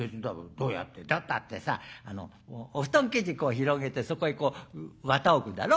「どうやってってさお布団生地こう広げてそこへこう綿置くだろ。